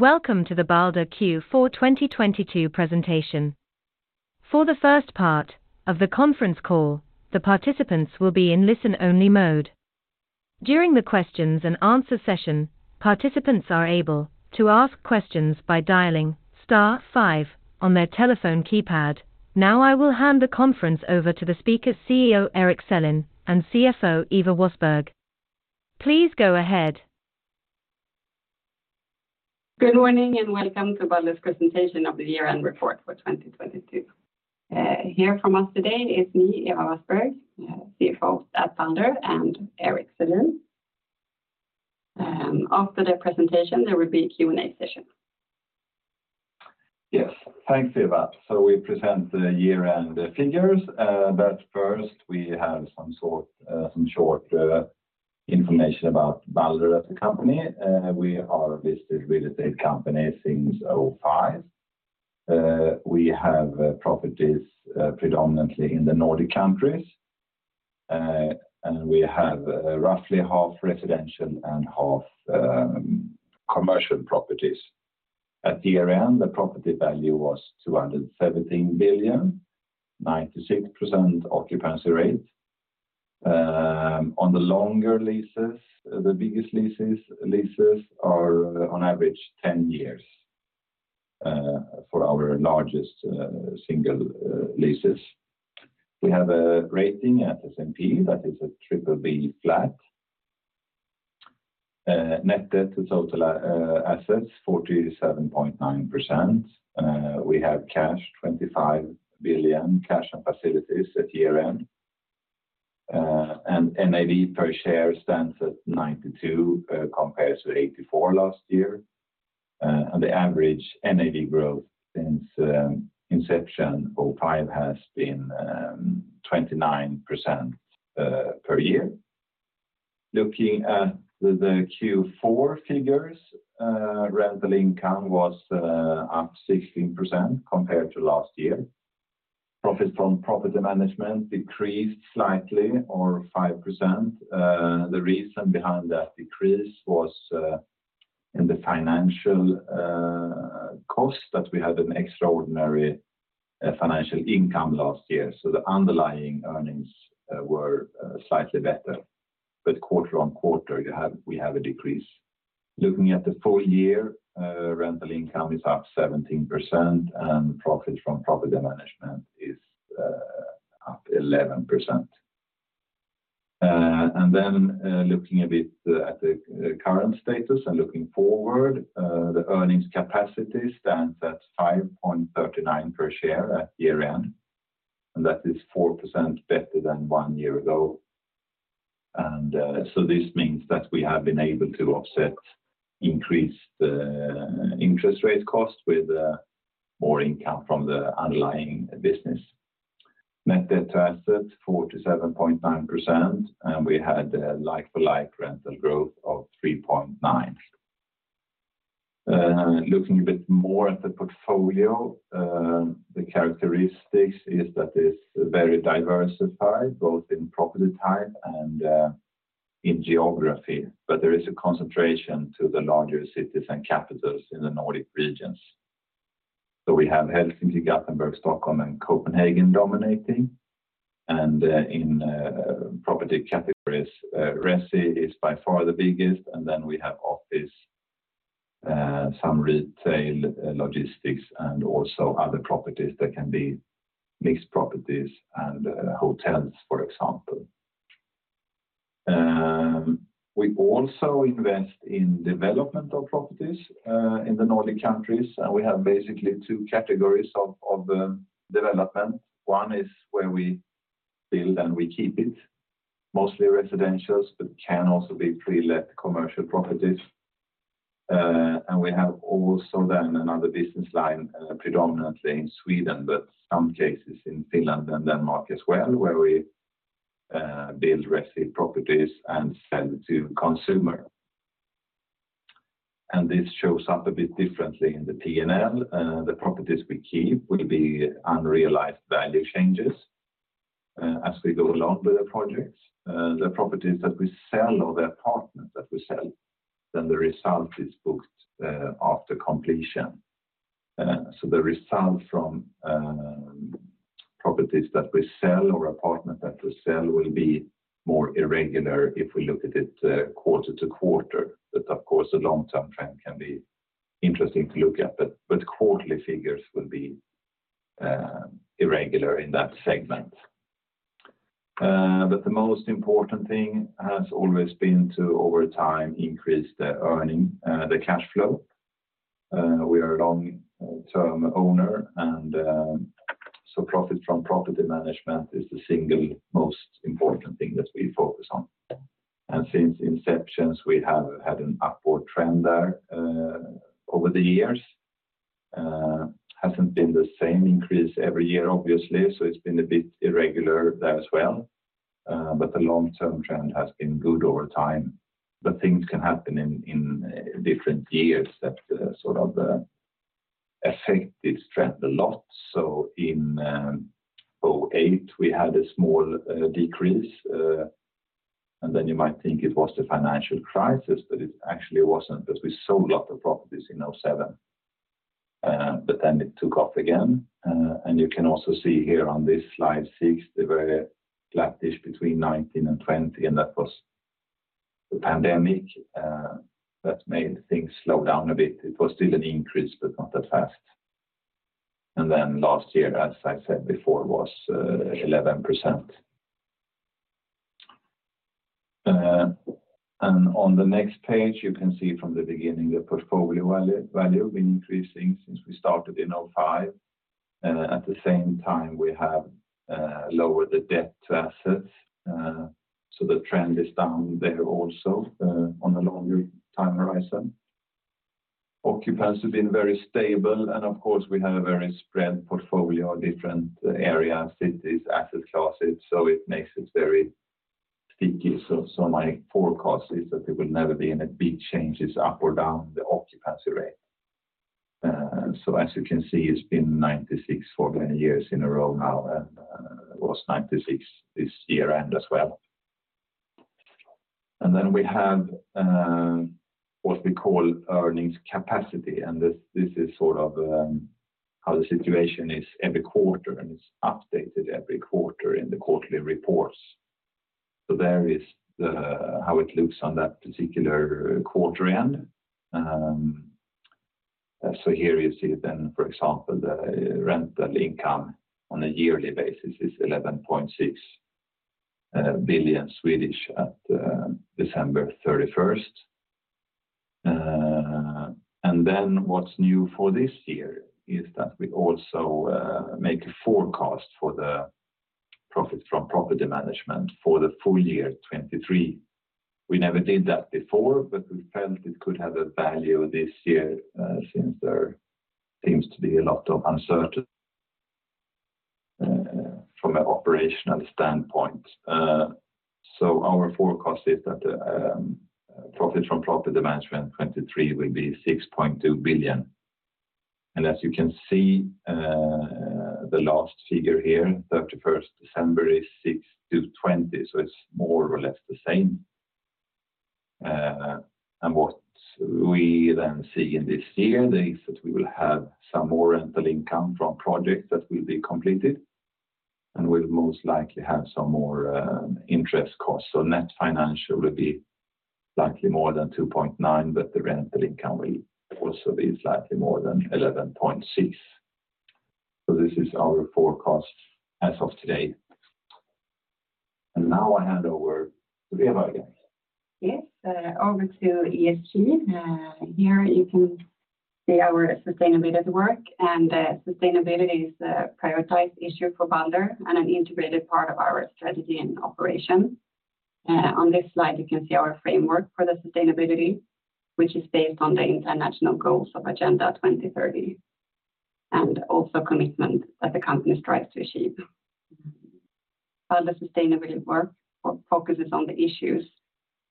Welcome to the Balder Q4 2022 presentation. For the first part of the conference call, the participants will be in listen-only mode. During the questions and answer session, participants are able to ask questions by dialing star five on their telephone keypad. Now I will hand the conference over to the speaker, CEO Erik Selin and CFO Ewa Wassberg. Please go ahead. Good morning. Welcome to Balder's presentation of the year-end report for 2022. Here from us today is me, Ewa Wassberg, CFO at Balder, and Erik Selin. After the presentation, there will be a Q&A session. Thanks, Ewa. We present the year-end figures, but first we have some short information about Balder as a company. We are a listed real estate company since 2005. We have properties predominantly in the Nordic countries, and we have roughly half residential and half commercial properties. At year-end, the property value was 217 billion, 96% occupancy rate. On the longer leases, the biggest leases are on average 10 years for our largest single leases. We have a rating at S&P that is a BBB. Net debt to total assets, 47.9%. We have cash 25 billion, cash and facilities at year-end. NAV per share stands at 92, compares to 84 last year. The average NAV growth since inception 2005 has been 29% per year. Looking at the Q4 figures, rental income was up 16% compared to last year. Profit from property management decreased slightly or 5%. The reason behind that decrease was in the financial cost that we had an extraordinary financial income last year. The underlying earnings were slightly better. Quarter on quarter, we have a decrease. Looking at the full year, rental income is up 17%, profit from property management is up 11%. Looking a bit at the current status and looking forward, the earnings capacity stands at 5.39 per share at year-end, and that is 4% better than one year ago. So this means that we have been able to offset increased interest rate costs with more income from the underlying business. Net debt to assets, 47.9%, and we had a like-for-like rental growth of 3.9%. Looking a bit more at the portfolio, the characteristics is that it's very diversified, both in property type and in geography, but there is a concentration to the larger cities and capitals in the Nordic regions. We have Helsinki, Gothenburg, Stockholm, and Copenhagen dominating. In property categories, resi is by far the biggest, and then we have office, some retail, logistics, and also other properties that can be mixed properties and hotels, for example. We also invest in development of properties in the Nordic countries. We have basically two categories of development. One is where we build, and we keep it, mostly residentials, but can also be pre-let commercial properties. We have also another business line, predominantly in Sweden, but some cases in Finland and Denmark as well, where we build resi properties and sell to consumer. This shows up a bit differently in the P&L. The properties we keep will be unrealized value changes as we go along with the projects. The properties that we sell or the apartments that we sell, the result is booked after completion. The result from properties that we sell or apartment that we sell will be more irregular if we look at it quarter-to-quarter. Of course, the long-term trend can be interesting to look at, but quarterly figures will be irregular in that segment. The most important thing has always been to, over time, increase the earning, the cash flow. We are a long-term owner and, so profit from property management is the single most important thing that we focus on. Since inceptions, we have had an upward trend there, over the years. Hasn't been the same increase every year, obviously, so it's been a bit irregular there as well. The long-term trend has been good over time. Things can happen in different years that sort of affect this trend a lot. In 2008 we had a small decrease. You might think it was the financial crisis, but it actually wasn't because we sold lots of properties in 2007. It took off again. You can also see here on this slide six, they were flattish between 2019 and 2020, and that was the pandemic that made things slow down a bit. It was still an increase, but not that fast. Last year, as I said before, was 11%. On the next page you can see from the beginning the portfolio value been increasing since we started in 2005. At the same time, we have lowered the debt to assets. The trend is down there also on a longer time horizon. Occupancy been very stable, and of course, we have a very spread portfolio of different areas, cities, asset classes, so it makes it very sticky. My forecast is that there will never be any big changes up or down the occupancy rate. As you can see, it's been 96 for many years in a row now, and it was 96 this year-end as well. We have what we call earnings capacity, and this is sort of how the situation is every quarter, and it's updated every quarter in the quarterly reports. There is how it looks on that particular quarter end. Here you see then, for example, the rental income on a yearly basis is 11.6 billion at December 31st. What's new for this year is that we also make a forecast for the profit from property management for the full year 2023. We never did that before, we felt it could have a value this year since there seems to be a lot of from an operational standpoint. Our forecast is that the profit from property management 2023 will be 6.2 billion. As you can see, the last figure here, 31st December, is 6,220, it's more or less the same. What we see in this year is that we will have some more rental income from projects that will be completed, and we'll most likely have some more interest costs. Net financial will be slightly more than 2.9, but the rental income will also be slightly more than 11.6. This is our forecast as of today. Now I hand over to Ewa again. Yes, over to ESG. Here you can see our sustainability work, and sustainability is a prioritized issue for Balder and an integrated part of our strategy and operation. On this slide, you can see our framework for the sustainability, which is based on the international goals of Agenda 2030, and also commitment that the company strives to achieve. The sustainability work focuses on the issues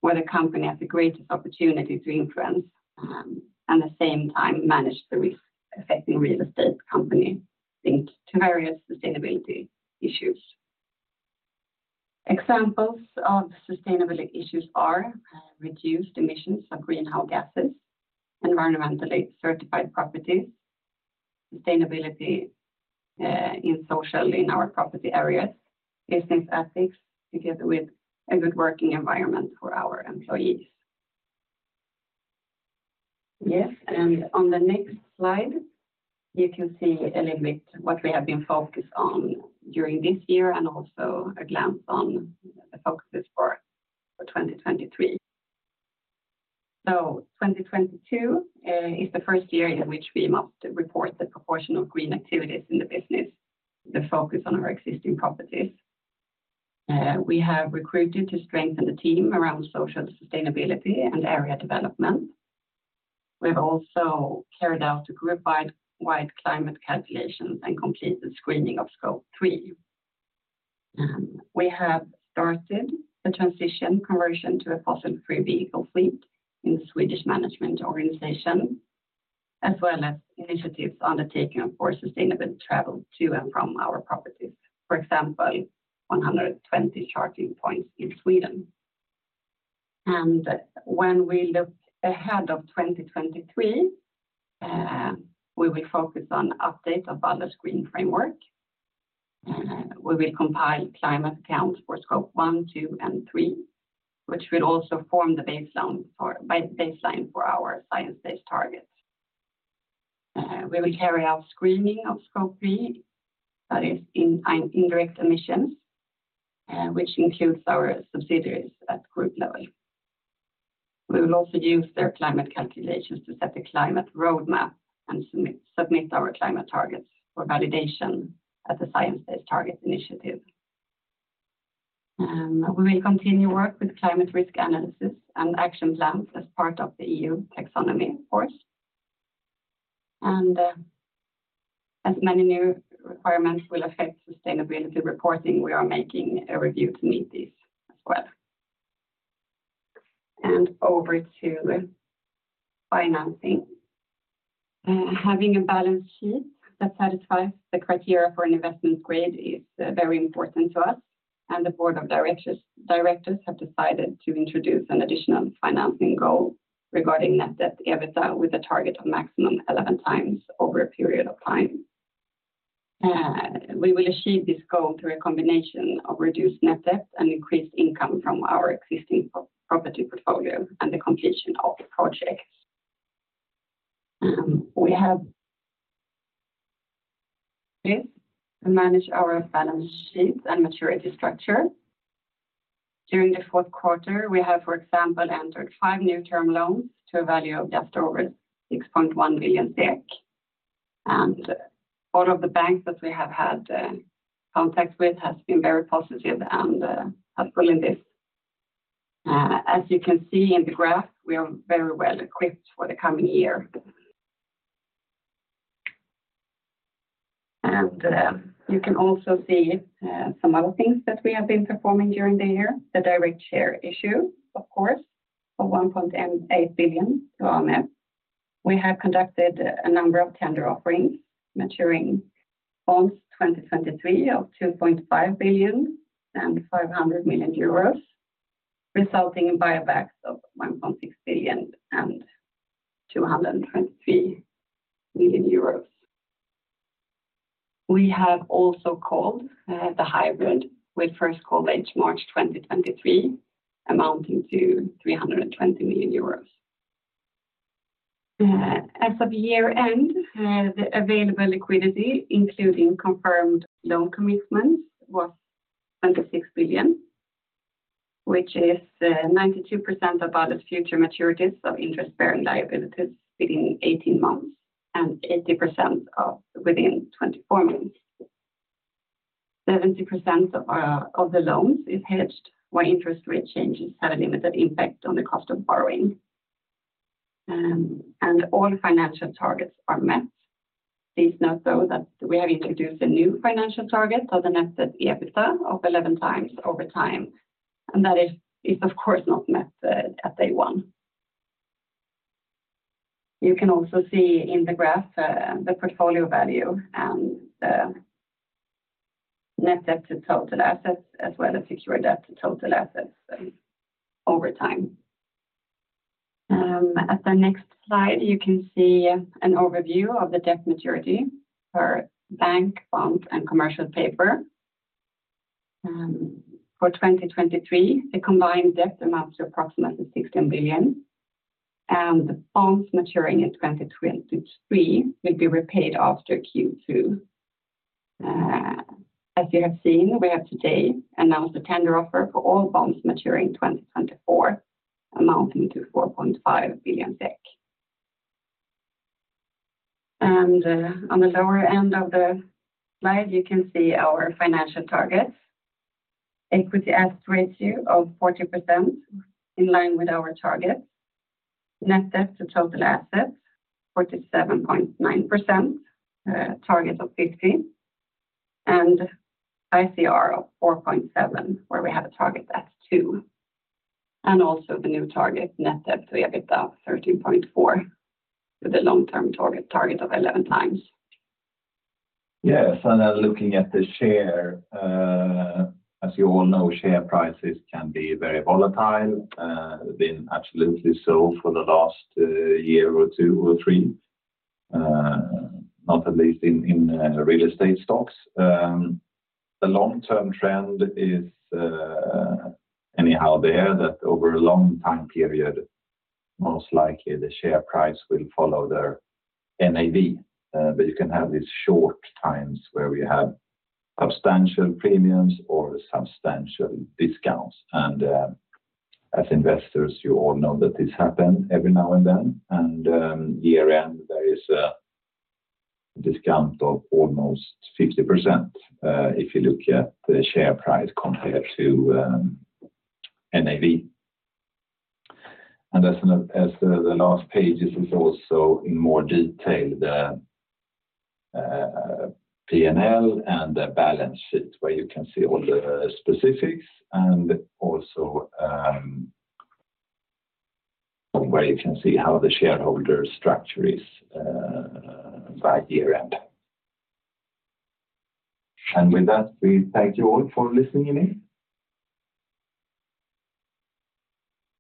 where the company has the greatest opportunity to influence, and the same time manage the risk affecting real estate company linked to various sustainability issues. Examples of sustainability issues are reduced emissions of greenhouse gases, environmentally certified properties, sustainability in social in our property areas, business ethics together with a good working environment for our employees. On the next slide, you can see a little bit what we have been focused on during this year and also a glance on the focuses for 2023. 2022 is the first year in which we must report the proportion of green activities in the business, the focus on our existing properties. We have recruited to strengthen the team around social sustainability and area development. We have also carried out a group-wide climate calculation and completed screening of Scope 3. We have started the transition conversion to a fossil-free vehicle fleet in the Swedish management organization, as well as initiatives undertaken for sustainable travel to and from our properties. For example, 120 charging points in Sweden. When we look ahead of 2023, we will focus on update of Balder Green Screen framework. We will compile climate accounts for Scope 1, 2, and 3, which will also form the baseline for our science-based targets. We will carry out screening of Scope 3, that is in indirect emissions, which includes our subsidiaries at group level. We will also use their climate calculations to set the climate roadmap and submit our climate targets for validation at the Science Based Targets initiative. We will continue work with climate risk analysis and action plans as part of the EU taxonomy, of course. As many new requirements will affect sustainability reporting, we are making a review to meet these as well. Over to financing. Having a balance sheet that satisfies the criteria for an investment grade is very important to us and the board of directors have decided to introduce an additional financing goal regarding net debt EBITDA with a target of maximum 11x over a period of time. We will achieve this goal through a combination of reduced net debt and increased income from our existing property portfolio and the completion of the projects. We have this to manage our balance sheet and maturity structure. During the fourth quarter, we have, for example, entered 5 new term loans to a value of just over 6.1 billion SEK. All of the banks that we have had contact with has been very positive and helpful in this. As you can see in the graph, we are very well equipped for the coming year. You can also see some other things that we have been performing during the year. The direct share issue, of course, of 1.8 billion. We have conducted a number of tender offerings maturing bonds 2023 of 2.5 billion and 500 million euros, resulting in buybacks of 1.6 billion and 223 million euros. We have also called the hybrid with first call date March 2023 amounting to 320 million euros. As of year-end, the available liquidity, including confirmed loan commitments, was 26 billion, which is 92% of all future maturities of interest-bearing liabilities within 18 months and 80% of within 24 months. 70% of the loans is hedged, while interest rate changes have a limited impact on the cost of borrowing. All financial targets are met. Please note though that we have introduced a new financial target of the net debt to EBITDA of 11x over time, and that is of course not met at day one. You can also see in the graph, the portfolio value and the net debt to total assets as well as secured debt to total assets over time. At the next slide, you can see an overview of the debt maturity for bank, bonds, and commercial paper. For 2023, the combined debt amounts to approximately 16 billion, and the bonds maturing in 2023 will be repaid after Q2. As you have seen, we have today announced a tender offer for all bonds maturing in 2024 amounting to 4.5 billion SEK. On the lower end of the slide, you can see our financial targets. Equity assets ratio of 40% in line with our targets. Net debt to total assets, 47.9%, target of 15. ICR of 4.7, where we have a target at two. Also the new target, net debt to EBITDA of 13.4 with a long-term target of 11x. Yes, looking at the share, as you all know, share prices can be very volatile, been absolutely so for the last year or two or three, not at least in real estate stocks. The long-term trend is anyhow there that over a long time period, most likely the share price will follow their NAV. You can have these short times where we have substantial premiums or substantial discounts. Year-end, there is a discount of almost 50%, if you look at the share price compared to NAV. As the last pages is also in more detail the P&L and the balance sheet where you can see all the specifics and also where you can see how the shareholder structure is by year-end. With that, we thank you all for listening in.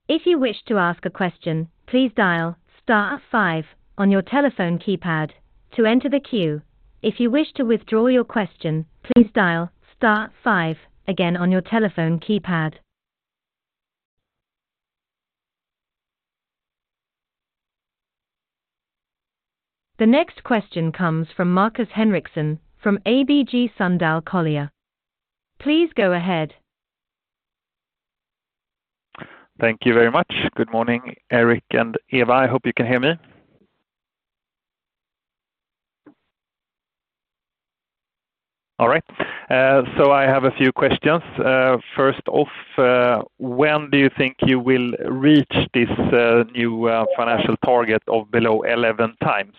If you wish to ask a question, please dial star five on your telephone keypad to enter the queue. If you wish to withdraw your question, please dial star five again on your telephone keypad. The next question comes from Markus Henriksson from ABG Sundal Collier. Please go ahead. Thank you very much. Good morning, Erik and Ewa. I hope you can hear me. All right. I have a few questions. First off, when do you think you will reach this new financial target of below 11x?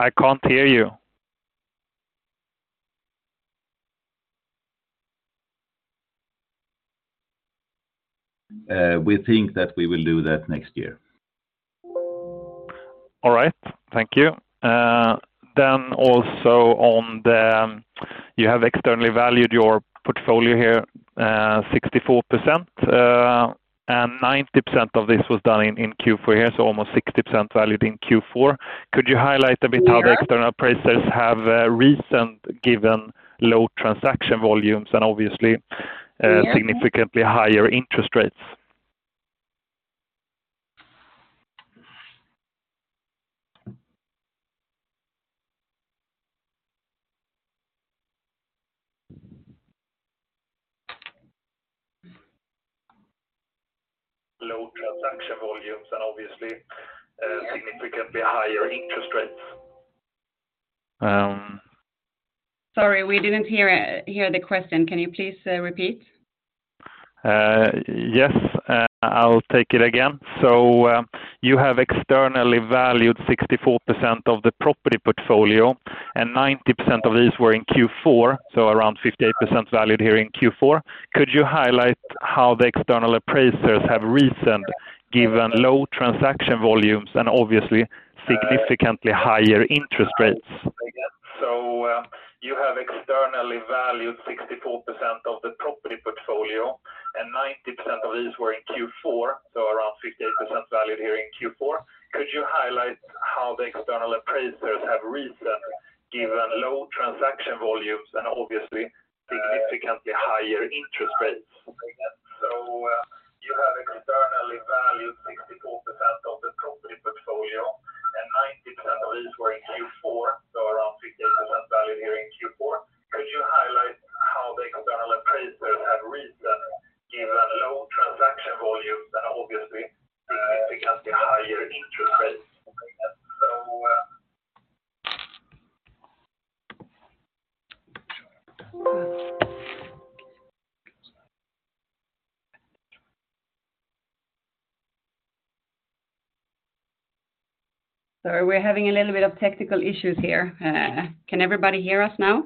I can't hear you. We think that we will do that next year. All right. Thank you. Also You have externally valued your portfolio here, 64%, and 90% of this was done in Q4 here, so almost 60% valued in Q4. Could you highlight a bit? We are... the external appraisers have reasoned given low transaction volumes. We are... significantly higher interest rates? Low transaction volumes obviously, significantly higher interest rates. Sorry, we didn't hear the question. Can you please repeat? Yes, I'll take it again. You have externally valued 64% of the property portfolio, and 90% of these were in Q4, so around 58% valued here in Q4. Could you highlight how the external appraisers have reasoned given low transaction volumes and obviously significantly higher interest rates? Sorry, we're having a little bit of technical issues here. Can everybody hear us now?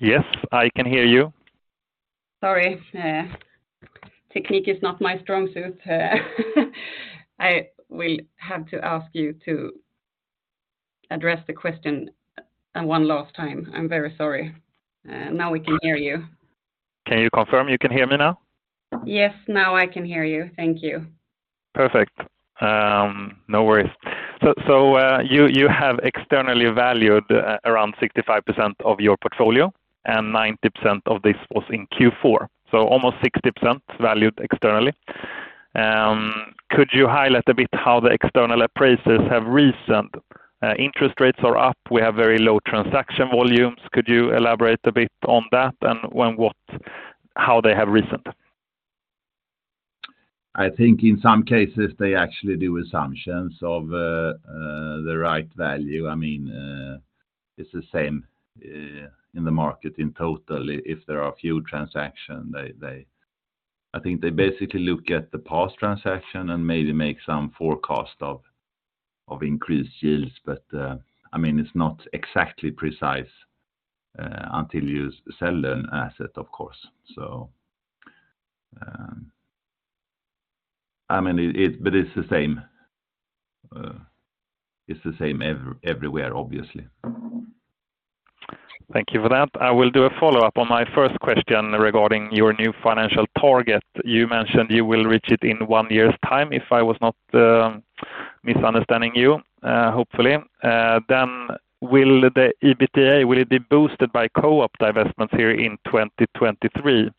Yes, I can hear you. Sorry. Technique is not my strong suit. I will have to ask you to address the question, one last time. I'm very sorry. Now we can hear you. Can you confirm you can hear me now? Yes. Now I can hear you. Thank you. Perfect. No worries. You have externally valued around 65% of your portfolio, and 90% of this was in Q4, so almost 60% valued externally. Could you highlight a bit how the external appraisers have reasoned? Interest rates are up. We have very low transaction volumes. Could you elaborate a bit on that and how they have reasoned? I think in some cases, they actually do assumptions of the right value. I mean, it's the same in the market in total. If there are a few transaction, I think they basically look at the past transaction and maybe make some forecast of increased yields. I mean, it's not exactly precise until you sell an asset, of course. I mean, but it's the same. It's the same everywhere, obviously. Thank you for that. I will do a follow-up on my first question regarding your new financial target. You mentioned you will reach it in one year's time, if I was not misunderstanding you, hopefully. Then will the EBITDA be boosted by co-op divestments here in 2023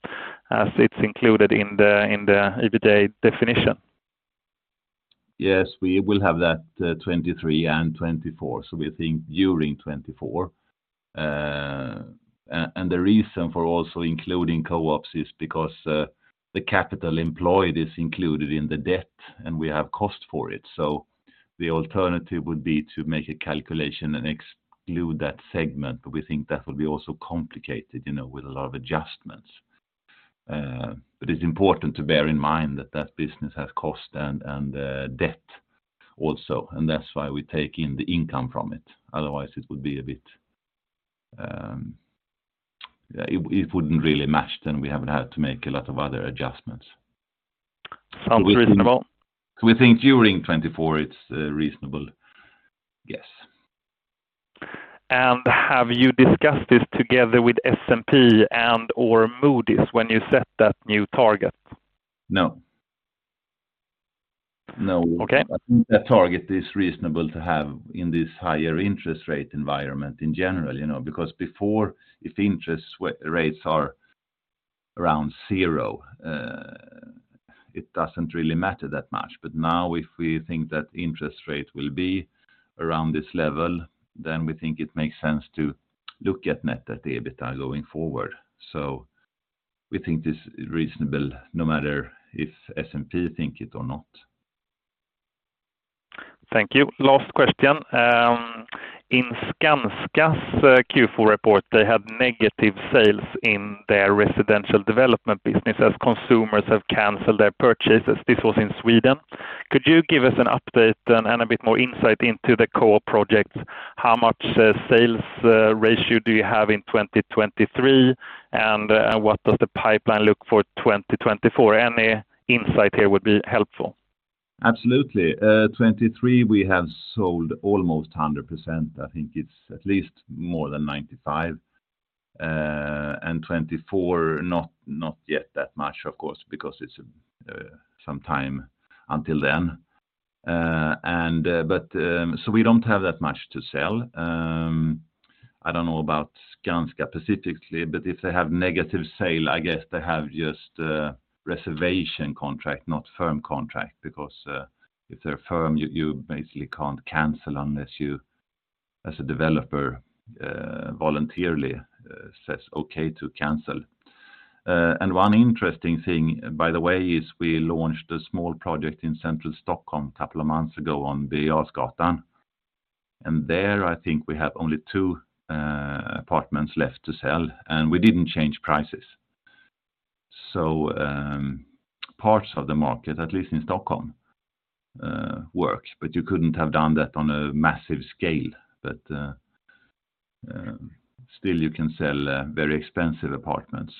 as it's included in the EBITDA definition? Yes, we will have that, 2023 and 2024. We think during 2024. The reason for also including co-ops is because the capital employed is included in the debt, and we have cost for it. The alternative would be to make a calculation and exclude that segment, but we think that will be also complicated, you know, with a lot of adjustments. It's important to bear in mind that that business has cost and debt also, and that's why we take in the income from it. Otherwise, it would be a bit. Yeah, it wouldn't really match, then we have to make a lot of other adjustments. Sounds reasonable. We think during 2024 it's a reasonable guess. Have you discussed this together with S&P and/or Moody's when you set that new target? No. No. Okay. I think that target is reasonable to have in this higher interest rate environment in general, you know. Before, if interest rates are around zero, it doesn't really matter that much. Now, if we think that interest rate will be around this level, then we think it makes sense to look at net at the EBITDA going forward. We think this is reasonable no matter if S&P think it or not. Thank you. Last question. In Skanska's Q4 report, they had negative sales in their residential development business as consumers have canceled their purchases. This was in Sweden. Could you give us an update and a bit more insight into the core projects? How much sales ratio do you have in 2023? What does the pipeline look for 2024? Any insight here would be helpful. Absolutely. 2023 we have sold almost 100%. I think it's at least more than 95%. 2024 not yet that much, of course, because it's some time until then. We don't have that much to sell. I don't know about Skanska specifically, but if they have negative sale, I guess they have just reservation contract, not firm contract. If they're firm, you basically can't cancel unless you, as a developer, voluntarily says okay to cancel. One interesting thing, by the way, is we launched a small project in central Stockholm a couple of months ago on Birger Jarlsgatan. There, I think we have only two apartments left to sell, and we didn't change prices. Parts of the market, at least in Stockholm, worked, but you couldn't have done that on a massive scale. Still you can sell, very expensive apartments,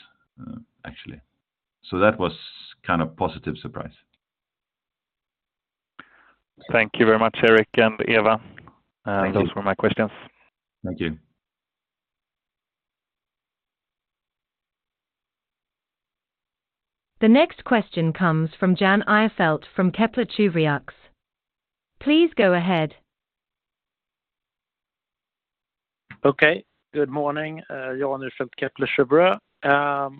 actually. That was kind of positive surprise. Thank you very much, Erik and Ewa. Thank you. Those were my questions. Thank you. The next question comes from Jan Ihrfelt from Kepler Cheuvreux. Please go ahead. Okay. Good morning. Jan Ihrfelt, Kepler Cheuvreux. I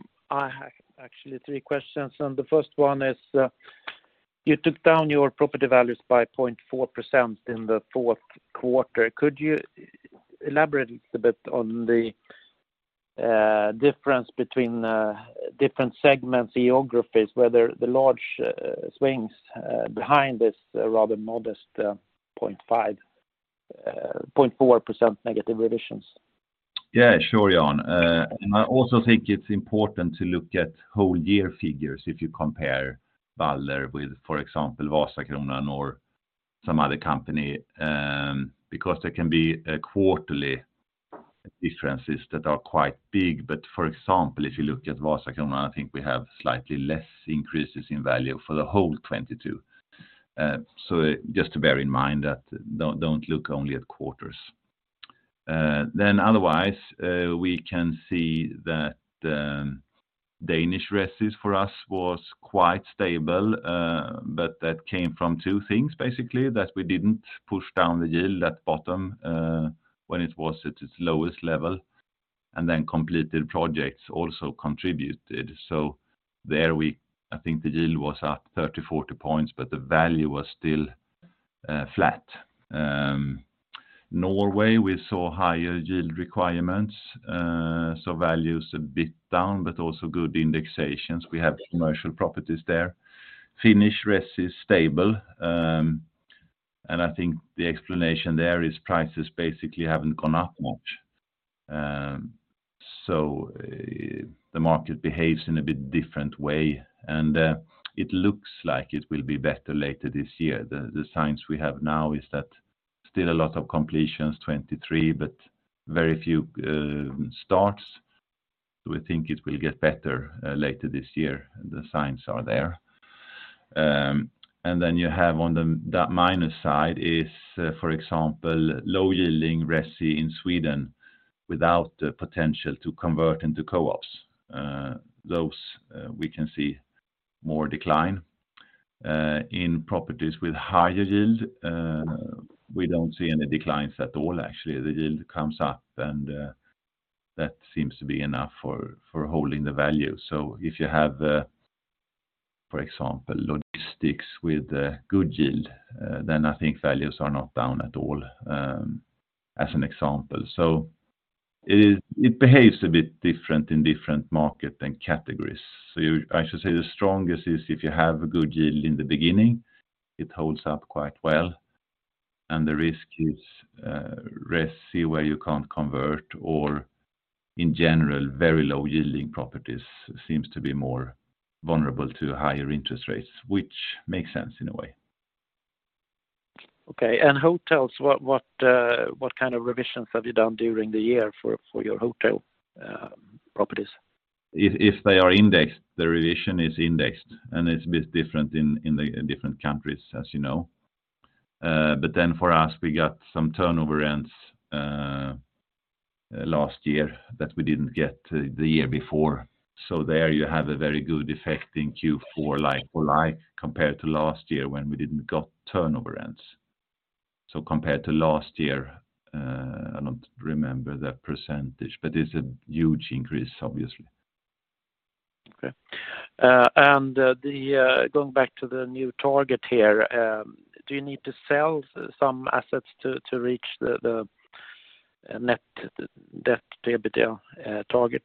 have actually three questions. The first one is, you took down your property values by 0.4% in the fourth quarter. Could you elaborate a bit on the difference between different segments, geographies, whether the large swings behind this rather modest 0.4% negative revisions? Yeah, sure, Jan. I also think it's important to look at whole year figures if you compare Balder with, for example, Vasakronan or some other company, because there can be quarterly differences that are quite big. For example, if you look at Vasakronan, I think we have slightly less increases in value for the whole 2022. Just to bear in mind that don't look only at quarters. Otherwise, we can see that Danish resis for us was quite stable, but that came from two things, basically, that we didn't push down the yield at bottom, when it was at its lowest level, and completed projects also contributed. There I think the yield was up 30, 40 points, but the value was still flat. Norway, we saw higher yield requirements. Value is a bit down, but also good indexations. We have commercial properties there. Finnish resi is stable, and I think the explanation there is prices basically haven't gone up much. The market behaves in a bit different way, and it looks like it will be better later this year. The signs we have now is that still a lot of completions 2023, but very few starts. We think it will get better later this year. The signs are there. You have on the minus side is, for example, low yielding resi in Sweden without the potential to convert into co-ops. Those, we can see more decline. In properties with higher yield, we don't see any declines at all, actually. The yield comes up. That seems to be enough for holding the value. If you have, for example, logistics with a good yield, then I think values are not down at all, as an example. It behaves a bit different in different market and categories. I should say the strongest is if you have a good yield in the beginning, it holds up quite well. The risk is, resi where you can't convert or in general, very low yielding properties seems to be more vulnerable to higher interest rates, which makes sense in a way. Okay. hotels, what kind of revisions have you done during the year for your hotel, properties? If they are indexed, the revision is indexed. It's a bit different in the different countries, as you know. For us, we got some turnover rents last year that we didn't got the year before. There you have a very good effect in Q4 like for like compared to last year when we didn't got turnover rents. Compared to last year, I don't remember the percentage, but it's a huge increase obviously. Going back to the new target here, do you need to sell some assets to reach the net debt EBITDA target?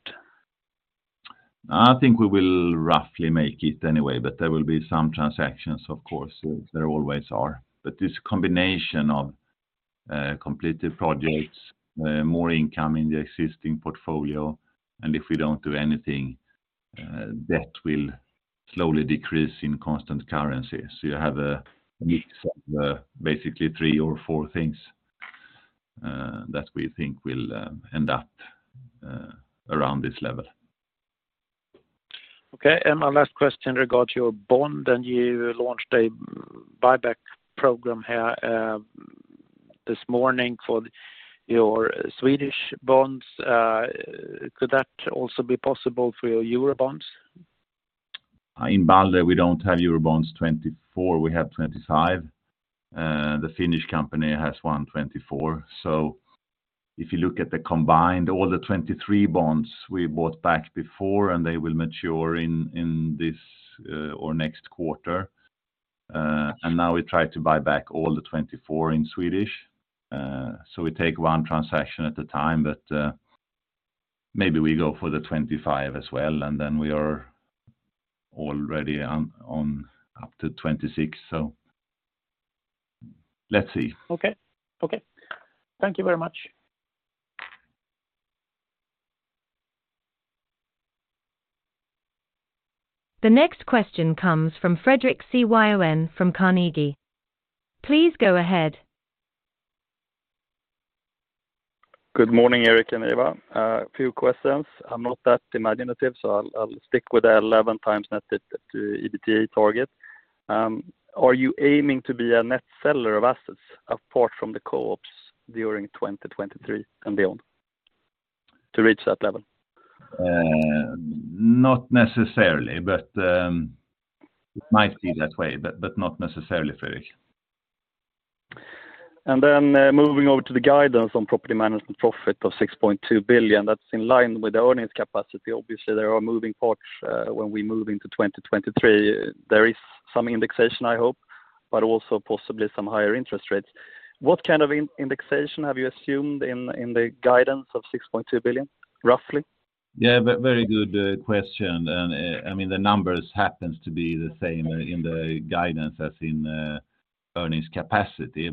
I think we will roughly make it anyway, but there will be some transactions, of course, there always are. This combination of completed projects, more income in the existing portfolio, and if we don't do anything, debt will slowly decrease in constant currency. You have a mix of basically three or four things that we think will end up around this level. Okay. My last question regards your bond, and you launched a buyback program here, this morning for your Swedish bonds. Could that also be possible for your Euro bonds? In Balder, we don't have Euro bonds 2024, we have 2025. The Finnish company has 2024. If you look at the combined, all the 23 bonds we bought back before, and they will mature in this or next quarter. Now we try to buy back all the 2024 in Swedish. We take one transaction at a time, but maybe we go for the 2025 as well, and then we are already on up to 2026. Let's see. Okay. Okay. Thank you very much. The next question comes from Fredrik Cyon from Carnegie. Please go ahead. Good morning, Erik and Awa. A few questions. I'm not that imaginative, so I'll stick with the 11 times net to EBITDA target. Are you aiming to be a net seller of assets apart from the co-ops during 2023 and beyond to reach that level? Not necessarily, but it might be that way, but not necessarily, Fredrik. Moving over to the guidance on property management profit of 6.2 billion, that's in line with the earnings capacity. Obviously, there are moving parts when we move into 2023. There is some indexation, I hope, but also possibly some higher interest rates. What kind of in-indexation have you assumed in the guidance of 6.2 billion, roughly? Yeah. Very good question. I mean, the numbers happens to be the same in the guidance as in earnings capacity.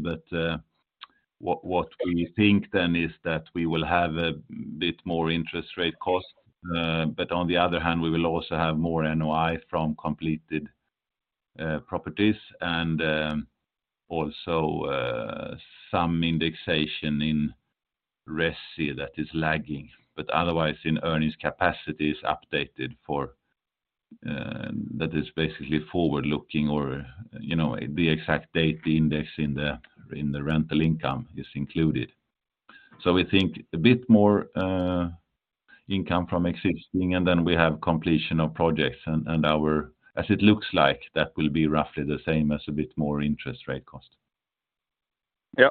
What we think then is that we will have a bit more interest rate cost. On the other hand, we will also have more NOI from completed properties and also some indexation in resi that is lagging. Otherwise in earnings capacity is updated for that is basically forward-looking or, you know, the exact date, the index in the rental income is included. We think a bit more income from existing, and then we have completion of projects. As it looks like, that will be roughly the same as a bit more interest rate cost. Yeah.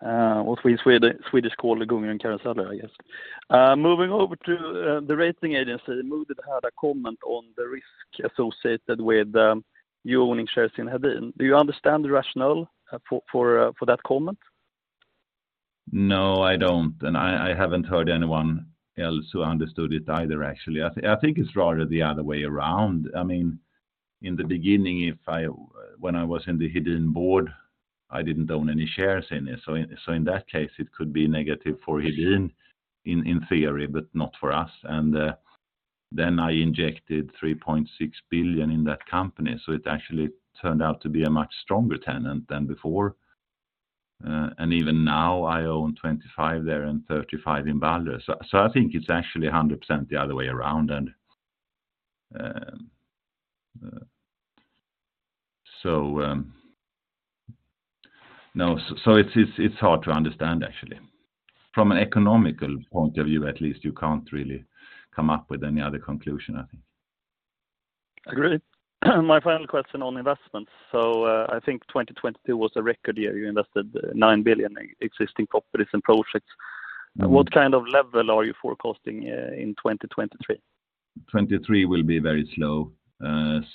What we Swedish call the gungor och karuseller, I guess. Moving over to the rating agency. Moody's had a comment on the risk associated with you owning shares in Hedin. Do you understand the rationale for that comment? No, I don't. I haven't heard anyone else who understood it either, actually. I think it's rather the other way around. I mean, in the beginning, when I was in the Hedin board, I didn't own any shares in it. In that case, it could be negative for Hedin in theory, but not for us. I injected 3.6 billion in that company, so it actually turned out to be a much stronger tenant than before. Even now I own 25 there and 35 in Balder. I think it's actually 100% the other way around. No. It's hard to understand actually. From an economical point of view, at least you can't really come up with any other conclusion, I think. Agree. My final question on investments. I think 2022 was a record year. You invested, 9 billion in existing properties and projects. Mm-hmm. What kind of level are you forecasting, in 2023? 2023 will be very slow.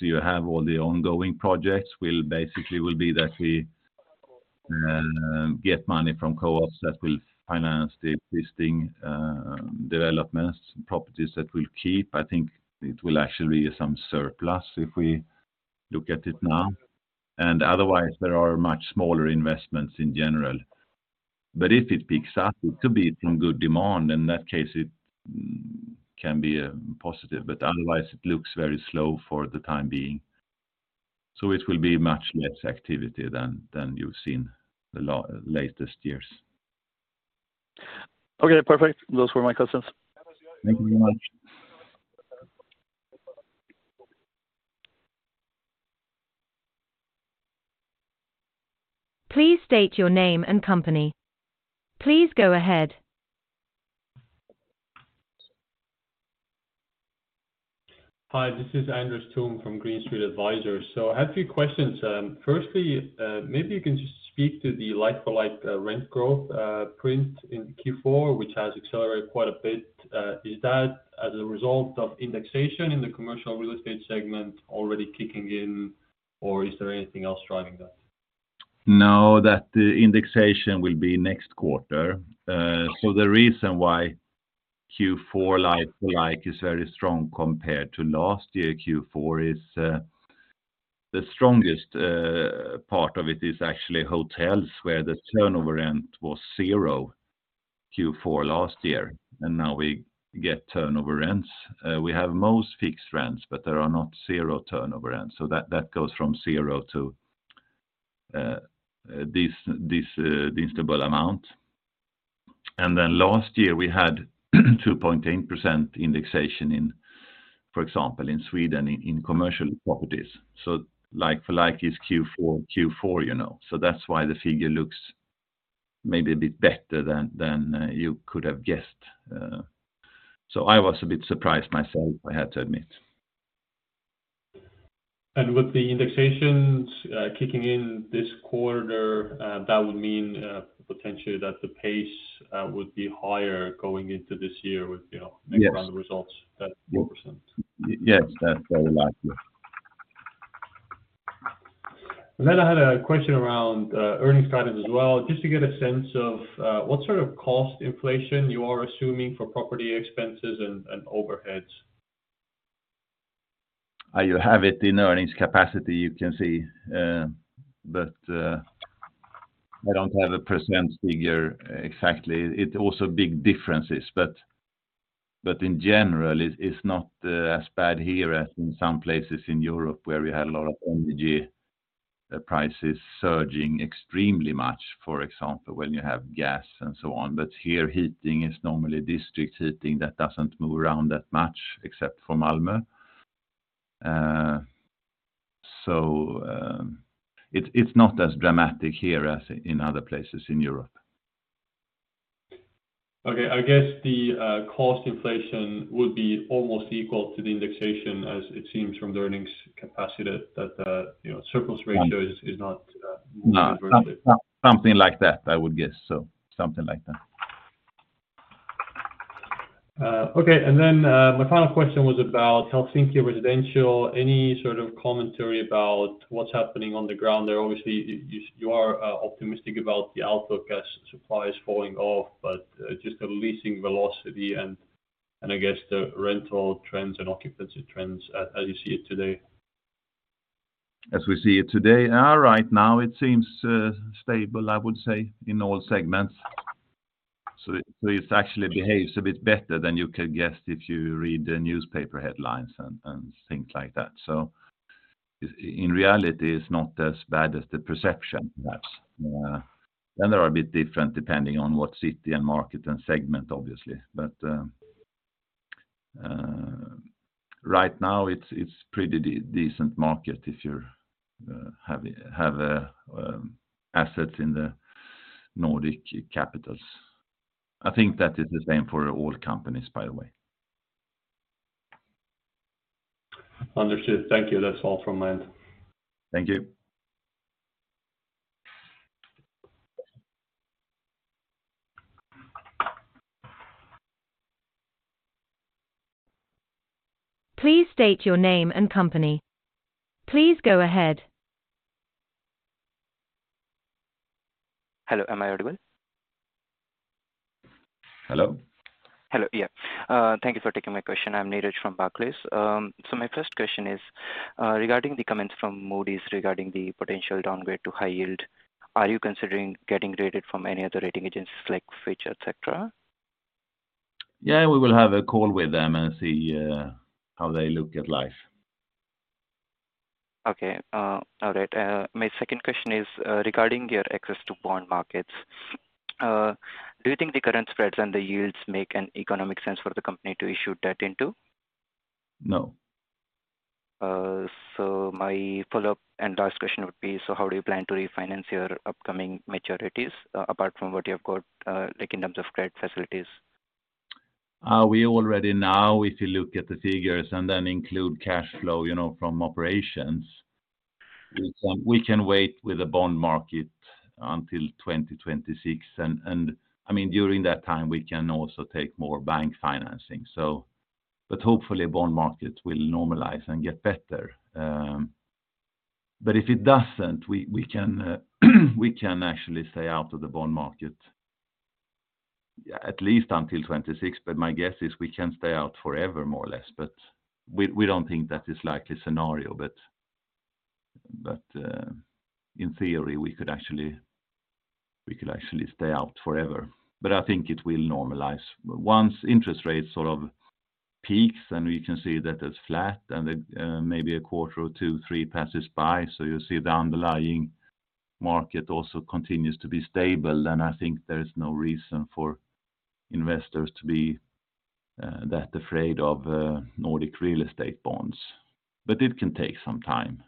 You have all the ongoing projects will basically be that we get money from co-ops that will finance the existing developments, properties that we'll keep. I think it will actually be some surplus if we look at it now. Otherwise, there are much smaller investments in general. If it picks up, it could be in good demand. In that case, it can be positive. Otherwise, it looks very slow for the time being. It will be much less activity than you've seen the latest years. Okay, perfect. Those were my questions. Thank you very much. Please state your name and company. Please go ahead. Hi, this is Andres Toome from Green Street Advisors. I have a few questions. Firstly, maybe you can just speak to the like-for-like, rent growth, print in Q4, which has accelerated quite a bit. Is that as a result of indexation in the commercial real estate segment already kicking in, or is there anything else driving that? That indexation will be next quarter. The reason why Q4 like for like is very strong compared to last year Q4 is, the strongest part of it is actually hotels where the turnover rent was 0 Q4 last year, now we get turnover rents. We have most fixed rents, there are not zero turnover rents. That goes from zero to this double amount. Last year, we had 2.8% indexation in, for example, in Sweden in commercial properties. Like for like is Q4, you know. That's why the figure looks maybe a bit better than you could have guessed. I was a bit surprised myself, I have to admit. With the indexations, kicking in this quarter, that would mean, potentially that the pace, would be higher going into this year with, you know. Yes. -around the results at 4%. Yes. That's very likely. Then I had a question around earnings guidance as well. Just to get a sense of what sort of cost inflation you are assuming for property expenses and overheads. You have it in earnings capacity, you can see. I don't have a percent figure exactly. It also big differences, but in general it's not as bad here as in some places in Europe where we had a lot of energy prices surging extremely much, for example, when you have gas and so on. Here heating is normally district heating that doesn't move around that much except for Malmö. It's not as dramatic here as in other places in Europe. Okay. I guess the cost inflation would be almost equal to the indexation as it seems from the earnings capacity that the, you know, surplus ratios is not moving. No. Something like that, I would guess. Something like that. Okay. My final question was about Helsinki residential. Any sort of commentary about what's happening on the ground there? Obviously, you are optimistic about the outlook as supply is falling off, but just the leasing velocity and I guess the rental trends and occupancy trends as you see it today. As we see it today. Right now it seems stable, I would say, in all segments. It actually behaves a bit better than you could guess if you read the newspaper headlines and things like that. In reality, it's not as bad as the perception perhaps. They are a bit different depending on what city and market and segment obviously. Right now it's pretty decent market if you're have assets in the Nordic capitals. I think that is the same for all companies, by the way. Understood. Thank you. That's all from my end. Thank you. Please state your name and company. Please go ahead. Hello. Am I audible? Hello? Hello. Yeah. Thank you for taking my question. I'm Neeraj from Barclays. My first question is regarding the comments from Moody's regarding the potential downgrade to high yield. Are you considering getting rated from any other rating agencies like Fitch, et cetera? We will have a call with them and see how they look at life. Okay. All right. My second question is regarding your access to bond markets. Do you think the current spreads and the yields make an economic sense for the company to issue debt into? No. My follow-up and last question would be, how do you plan to refinance your upcoming maturities, apart from what you have got in terms of credit facilities? We already now, if you look at the figures and then include cash flow, you know, from operations... Mm-hmm. We can wait with the bond market until 2026. I mean, during that time we can also take more bank financing. Hopefully bond markets will normalize and get better. If it doesn't, we can actually stay out of the bond market at least until 2026. My guess is we can stay out forever more or less. We don't think that is likely scenario. In theory, we could actually stay out forever. I think it will normalize. Once interest rates sort of peaks and we can see that it's flat and then, maybe a quarter or two, three passes by, so you'll see the underlying market also continues to be stable, then I think there is no reason for investors to be that afraid of Nordic real estate bonds. It can take some time.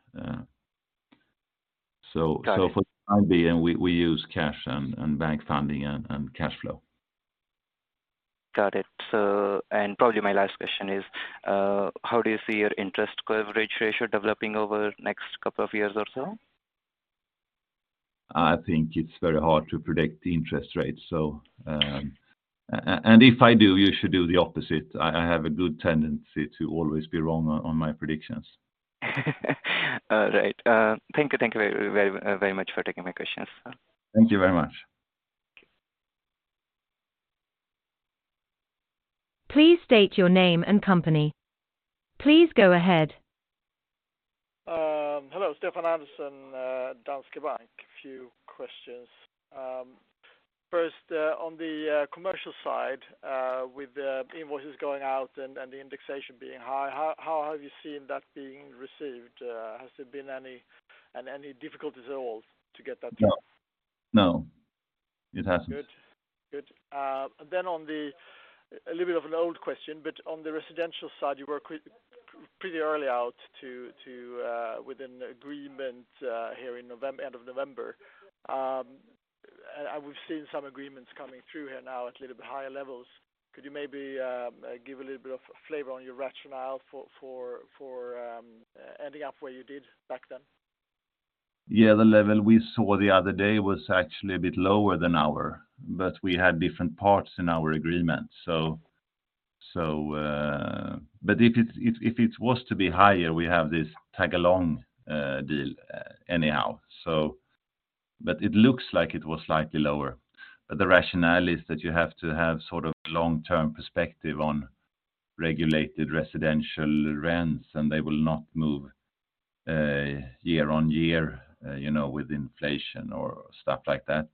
Got it. For the time being, we use cash and bank funding and cash flow. Got it. Probably my last question is, how do you see your interest coverage ratio developing over the next couple of years or so? I think it's very hard to predict the interest rates. If I do, you should do the opposite. I have a good tendency to always be wrong on my predictions. All right. Thank you. Thank you very, very, very much for taking my questions. Thank you very much. Please state your name and company. Please go ahead. Hello. Stefan Andersson, Danske Bank. A few questions. First, on the commercial side, with the invoices going out and the indexation being high, how have you seen that being received? Has there been any difficulties at all to get that through? No. No, it hasn't. Good. Good. A little bit of an old question, but on the residential side, you were pretty early out to with an agreement here in November, end of November. We've seen some agreements coming through here now at a little bit higher levels. Could you maybe give a little bit of flavor on your rationale for ending up where you did back then? The level we saw the other day was actually a bit lower than our, but we had different parts in our agreement. If it was to be higher, we have this tag-along deal anyhow. It looks like it was slightly lower. The rationale is that you have to have sort of long-term perspective on regulated residential rents, and they will not move year on year, you know, with inflation or stuff like that.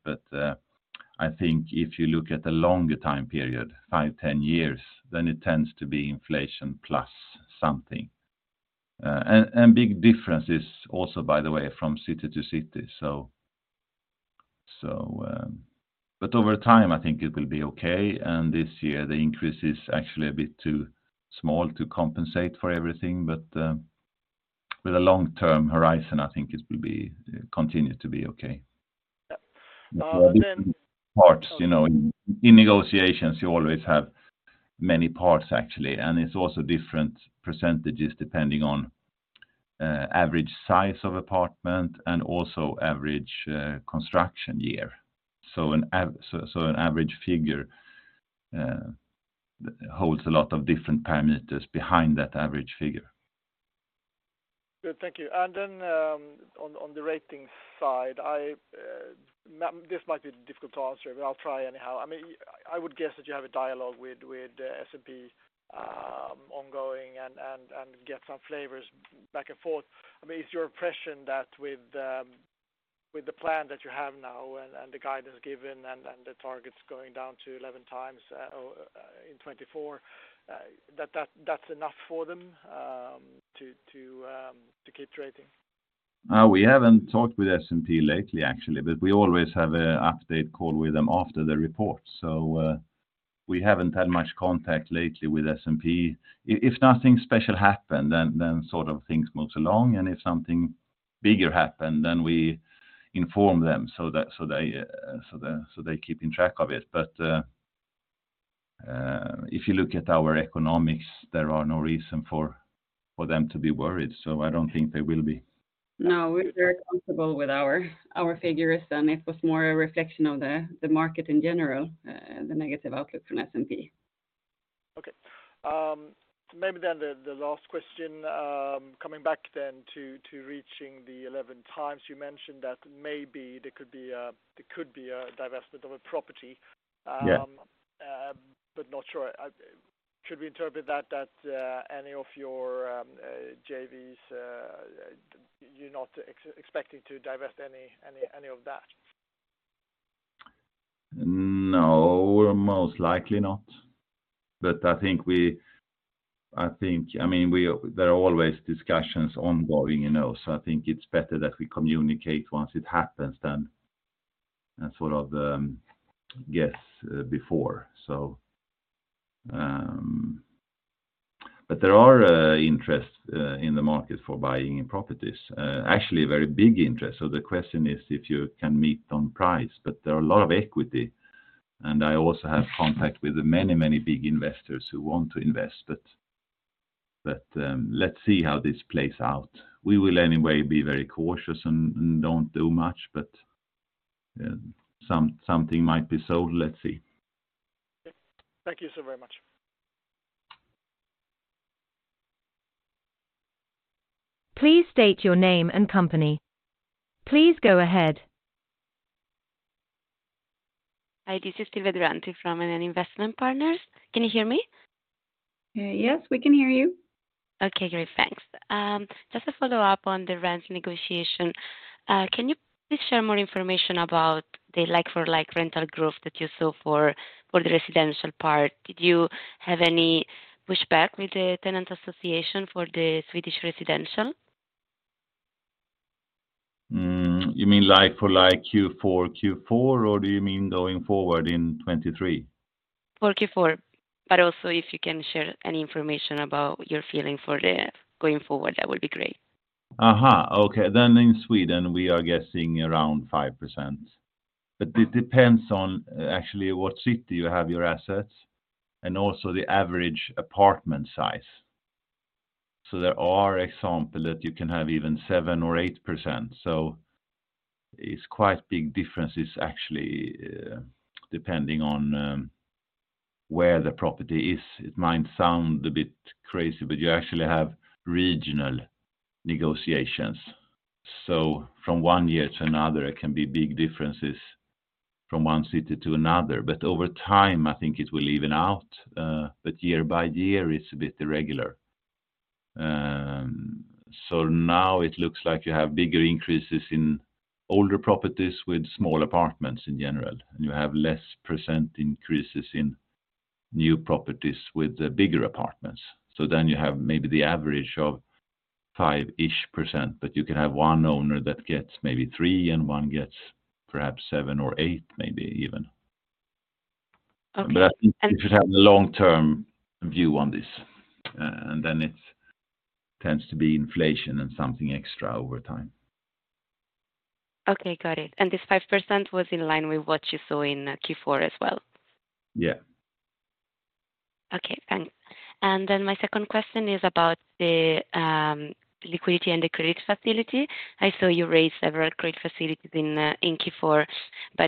I think if you look at the longer time period, five, 10 years, then it tends to be inflation plus something. And big differences also, by the way, from city to city. Over time, I think it will be okay. This year, the increase is actually a bit too small to compensate for everything. With a long-term horizon, I think it will be, continue to be okay. Yeah. Parts, you know. In negotiations, you always have many parts, actually. It's also different percentages depending on average size of apartment and also average construction year. An average figure holds a lot of different parameters behind that average figure. Good. Thank you. Then, on the ratings side, I, this might be difficult to answer, but I'll try anyhow. I mean, I would guess that you have a dialogue with S&P ongoing and get some flavors back and forth. I mean, is your impression that with the plan that you have now and the guidance given and the targets going down to 11x in 2024, that's enough for them to keep trading? We haven't talked with S&P lately, actually, but we always have an update call with them after the report. We haven't had much contact lately with S&P. If nothing special happened, then sort of things moves along. If something bigger happened, then we inform them so that they keeping track of it. If you look at our economics, there are no reason for them to be worried. I don't think they will be. No, we're very comfortable with our figures, and it was more a reflection of the market in general, the negative outlook from S&P. Okay. Maybe the last question, coming back then to reaching the 11 times. You mentioned that maybe there could be a divestment of a property. Yeah. Not sure. Should we interpret that, any of your JVs, you're not expecting to divest any of that? No, most likely not. I think, I mean, there are always discussions ongoing, you know. I think it's better that we communicate once it happens than sort of guess before. There are interest in the market for buying in properties. Actually a very big interest. The question is if you can meet on price. There are a lot of equity, and I also have contact with many big investors who want to invest. Let's see how this plays out. We will anyway be very cautious and don't do much, but something might be sold. Let's see. Thank you, sir, very much. Please state your name and company. Please go ahead. Hi, this is Silvia Durante from An investment Partners. Can you hear me? Yes, we can hear you. Okay, great. Thanks. Just a follow-up on the rent negotiation. Can you please share more information about the like for like rental growth that you saw for the residential part? Did you have any pushback with the tenant association for the Swedish residential? You mean like for like Q4, or do you mean going forward in 2023? For Q4. Also if you can share any information about your feeling for the going forward, that would be great. Okay. In Sweden, we are guessing around 5%. It depends on actually what city you have your assets and also the average apartment size. There are examples that you can have even 7% or 8%. It's quite big differences actually, depending on where the property is. It might sound a bit crazy, but you actually have regional negotiations. From 1 year to another, it can be big differences from one city to another. Over time, I think it will even out. Year by year, it's a bit irregular. Now it looks like you have bigger increases in older properties with small apartments in general, and you have less percent increases in new properties with the bigger apartments. You have maybe the average of 5-ish%, but you can have one owner that gets maybe 3 and one gets perhaps 7 or 8, maybe even. Okay. I think you should have a long-term view on this, and then it tends to be inflation and something extra over time. Okay. Got it. This 5% was in line with what you saw in Q4 as well? Yeah. Okay, thanks. My second question is about the liquidity and the credit facility. I saw you raised several credit facilities in Q4,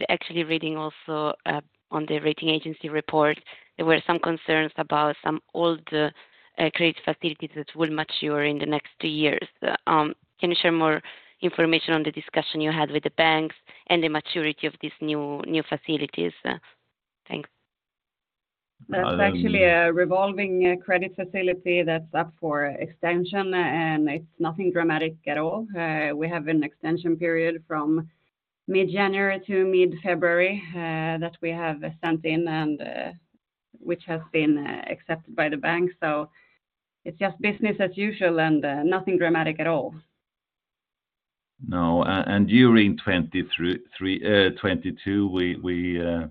actually reading also on the rating agency report, there were some concerns about some old credit facilities that will mature in the next two years. Can you share more information on the discussion you had with the banks and the maturity of these new facilities? Thanks. Um- That's actually a revolving credit facility that's up for extension, and it's nothing dramatic at all. We have an extension period from mid-January to mid-February, that we have sent in and which has been accepted by the bank. It's just business as usual and nothing dramatic at all. No. During 2023, 3, 2022, we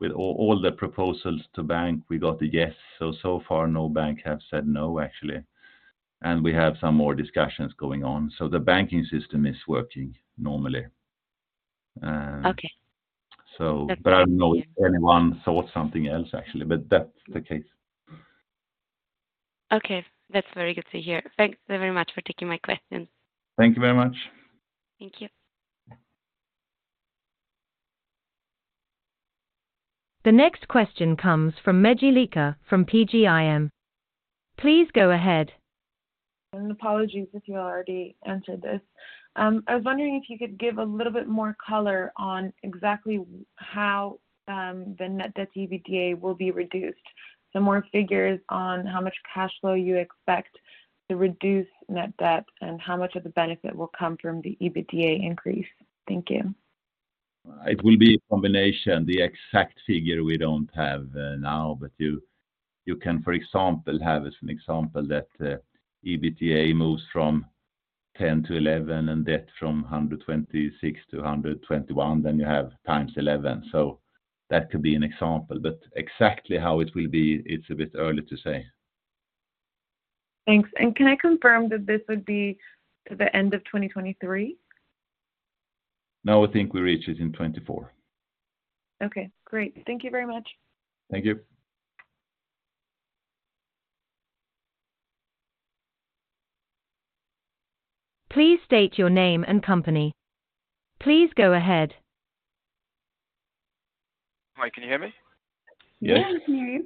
with all the proposals to bank, we got a yes. So far no bank have said no, actually. We have some more discussions going on. The banking system is working normally. Okay. So- That's very good to hear. I don't know if anyone thought something else, actually, but that's the case. Okay. That's very good to hear. Thanks very much for taking my questions. Thank you very much. Thank you. The next question comes from Megie Leka from PGIM. Please go ahead. Apologies if you already answered this. I was wondering if you could give a little bit more color on exactly how the net debt to EBITDA will be reduced. Some more figures on how much cash flow you expect to reduce net debt and how much of the benefit will come from the EBITDA increase. Thank you. It will be a combination. The exact figure we don't have, now, but you can, for example, have as an example that EBITDA moves from 10-11 and debt from 126-121, then you have 11x. That could be an example. Exactly how it will be, it's a bit early to say. Thanks. Can I confirm that this would be to the end of 2023? No, I think we reach it in 2024. Okay, great. Thank you very much. Thank you. Please state your name and company. Please go ahead. Hi, can you hear me? Yes. Yeah, we can hear you.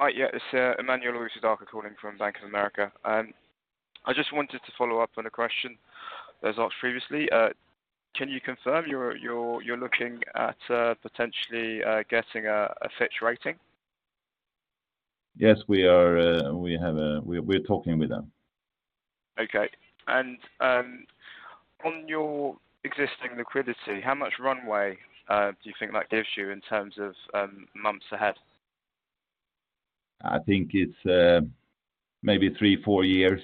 Hi. it's Emmanuel Owusu-Darkwa calling from Bank of America. I just wanted to follow up on a question that was asked previously. Can you confirm you're looking at, potentially getting a Fitch rating? We are. We're talking with them. Okay. On your existing liquidity, how much runway do you think that gives you in terms of months ahead? I think it's maybe three, four years.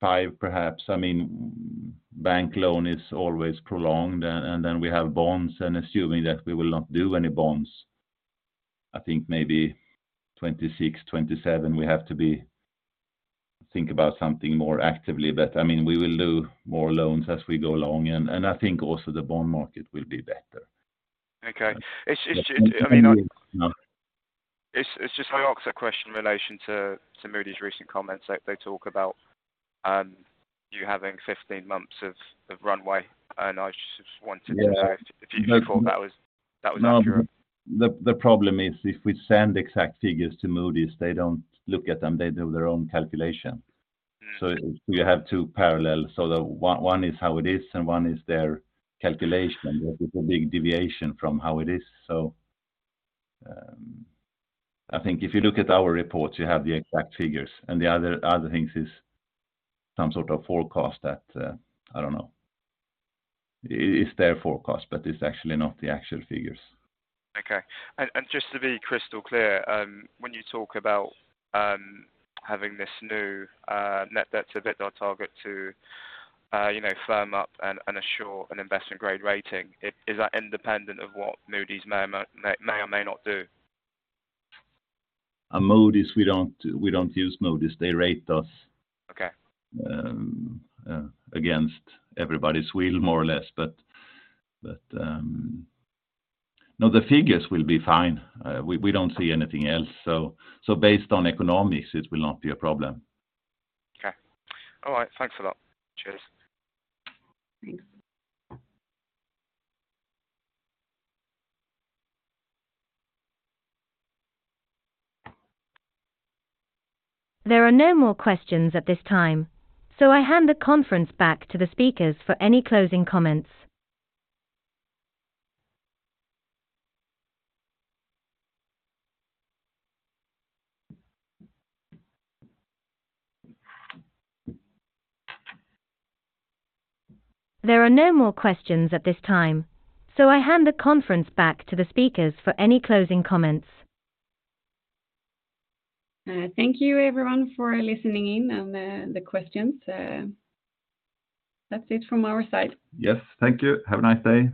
five, perhaps. I mean, bank loan is always prolonged, and then we have bonds, and assuming that we will not do any bonds, I think maybe 2026, 2027, we have to think about something more actively. I mean, we will do more loans as we go along and I think also the bond market will be better. Okay. It's. until then. It's just I asked that question in relation to Moody's recent comments. Like they talk about, you having 15 months of runway, and I just wanted to confirm. Yeah. if you thought that was accurate. No, the problem is if we send exact figures to Moody's, they don't look at them. They do their own calculation. Mm-hmm. You have two parallel. The one is how it is, and one is their calculation. There is a big deviation from how it is. I think if you look at our reports, you have the exact figures. The other things is some sort of forecast that I don't know. It's their forecast, but it's actually not the actual figures. Okay. Just to be crystal clear, when you talk about having this new net debt to EBITDA target to, you know, firm up and assure an investment-grade rating, is that independent of what Moody's may or may not do? We don't use Moody's. They rate us. Okay. against everybody's will more or less. No, the figures will be fine. We don't see anything else. Based on economics, it will not be a problem. Okay. All right. Thanks a lot. Cheers. Thanks. There are no more questions at this time, so I hand the conference back to the speakers for any closing comments. Thank you everyone for listening in on the questions. That's it from our side. Yes. Thank you. Have a nice day.